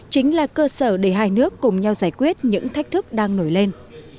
chính là cơ sở để hai nước cùng nhau giải quyết những thách thức đang nổi lên